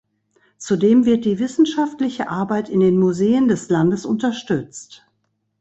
Zudem wird die wissenschaftliche Arbeit in den Museen des Landes unterstützt.